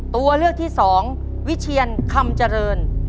ตัวเลือกที่สองวิเชียนคำเจริญ